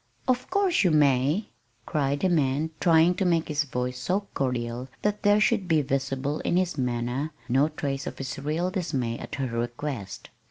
"Of course you may," cried the man, trying to make his voice so cordial that there should be visible in his manner no trace of his real dismay at her request.